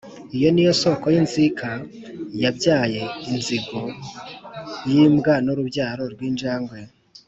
iyo ni yo soko y'inzika yabyaye inzigo yimbwa n'urubyaro rw'injangwe